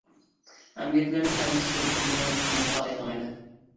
ئەمگەكلىرىنىڭ پايدىسىز بولۇشىمۇ ئۇنىڭغا ئايدىڭ ئىدى.